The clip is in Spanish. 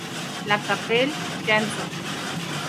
La Chapelle-Janson